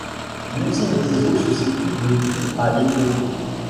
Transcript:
L'usine des eaux se situe depuis à l'Epau.